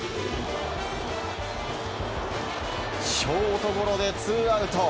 ショートゴロでツーアウト。